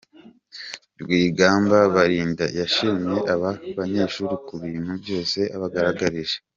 Rwigamba Balinda, yashimiye aba banyeshuri ku bintu byose babagaragarije.